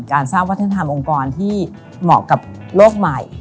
สร้างวัฒนธรรมองค์กรที่เหมาะกับโลกใหม่